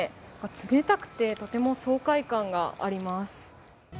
冷たくて、とても爽快感があります